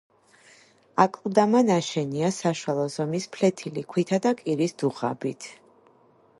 აკლდამა ნაშენია საშუალო ზომის ფლეთილი ქვითა და კირის დუღაბით.